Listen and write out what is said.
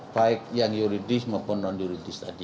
baik yang yuridis maupun non yuridis tadi